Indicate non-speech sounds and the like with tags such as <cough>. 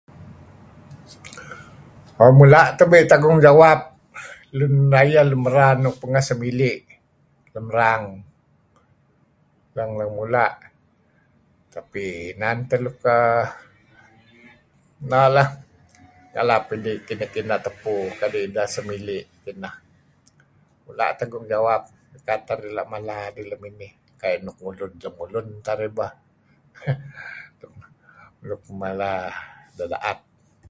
Mo mula' tabe tagung jawap Lun Rayeh Lun Merar nuk pangeh simili' lem rang lun mula' tapi inan teh luk uhm ngalap idih kineh-kineh tupu kadi' ideh simii' dih nah tagung jawap kadi' narih' la mala deh lem inih pah. Kateng mulun teh arih bah. <laughs> nuk mala nuk daet.